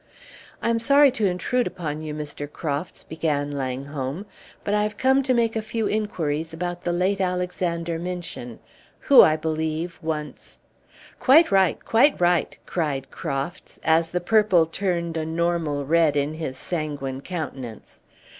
"I am sorry to intrude upon you, Mr. Crofts," began Langholm, "but I have come to make a few inquiries about the late Alexander Minchin, who, I believe, once " "Quite right! Quite right!" cried Crofts, as the purple turned a normal red in his sanguine countenance.